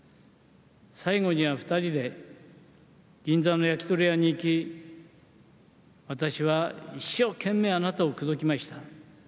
最後には２人で銀座の焼き鳥屋に行き私は一生懸命あなたを口説きました。